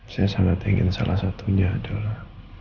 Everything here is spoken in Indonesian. saya sangat ingin salah satunya adalah